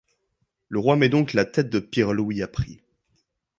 Le roi met donc la tête de Pirlouit à prix.